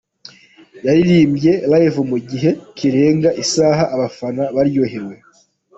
Yaririmbye live mu gihe kirenga isaha abafana baryohewe.